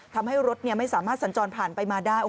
ทำให้รถไม่สามารถสัญจรผ่านไปมาได้